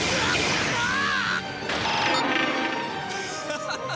ハハハハ！